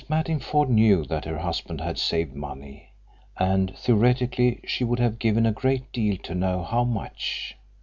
Mattingford knew that her husband had saved money, and theoretically she would have given a great deal to know how much.